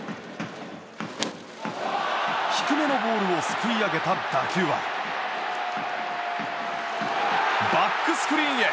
低めのボールをすくい上げた打球はバックスクリーンへ。